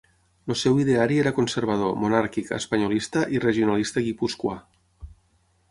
El seu ideari era conservador, monàrquic, espanyolista i regionalista guipuscoà.